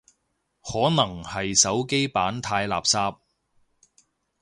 可能係手機版太垃圾